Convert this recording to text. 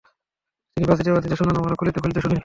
তিনি বাঁধিতে বাঁধিতে শোনান, আমরা খুলিতে খুলিতে শুনি।